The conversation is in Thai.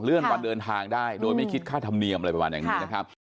วันเดินทางได้โดยไม่คิดค่าธรรมเนียมอะไรประมาณอย่างนี้นะครับ